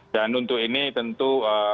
dan untuk ini tentu